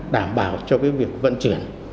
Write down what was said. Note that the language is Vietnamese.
đảm bảo cho việc vận chuyển